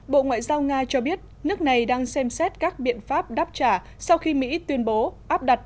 bộ ngoại giao nga cho biết nước này đang xem xét các biện pháp đáp trả sau khi mỹ tuyên bố áp đặt